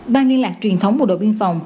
ban liên lạc truyền thống bộ đội biên phòng